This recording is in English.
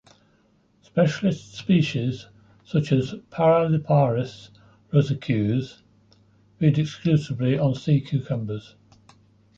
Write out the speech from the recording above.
Specialist species such as "Paraliparis rosaceus" feed exclusively on sea cucumbers.